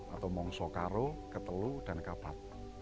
atau mongso karo ketelu dan kapat